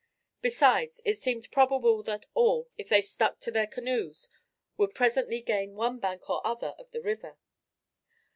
Besides, it seemed probable that all, if they stuck to their canoes, would presently gain one bank or other of the river.